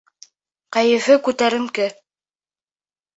Кәйефе күтәренке.